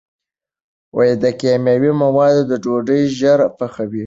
دا کیمیاوي مواد ډوډۍ ژر پخوي.